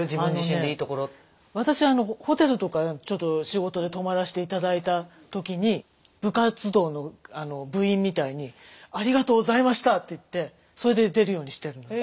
私ホテルとかちょっと仕事で泊まらして頂いた時に部活動の部員みたいにありがとうございましたって言ってそれで出るようにしてるのよ。